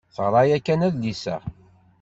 Teɣra yakan adlis-a.